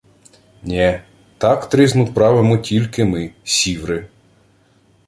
— Нє, так тризну правимо тільки ми, сіври!